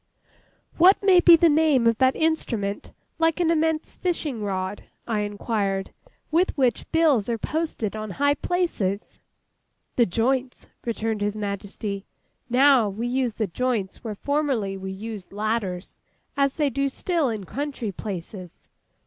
'What may be the name of that instrument, like an immense fishing rod,' I inquired, 'with which bills are posted on high places?' 'The joints,' returned His Majesty. 'Now, we use the joints where formerly we used ladders—as they do still in country places.